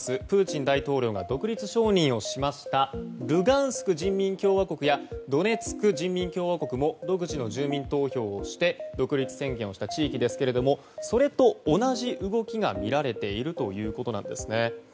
プーチン大統領が独立承認しましたルガンスク人民共和国やドネツク人民共和国も独自の住民投票をして独立宣言をした地域ですけれどもそれと同じ動きが見られているということです。